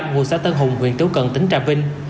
ngụ xã tân hùng huyện tứ cần tỉnh trà vinh